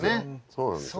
そうなんですよ。